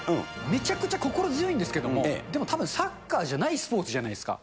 めちゃくちゃ心強いんですけれども、でもたぶん、サッカーじゃないスポーツじゃないですか。